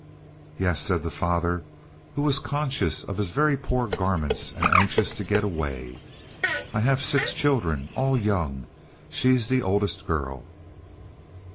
"Yes," said the father, who was conscious of his very poor garments and anxious to get away. "I have six children—all young. She's the oldest girl."